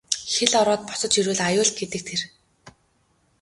Хэл ороод босож ирвэл аюул гэдэг тэр.